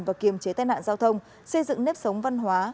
và kiềm chế tai nạn giao thông xây dựng nếp sống văn hóa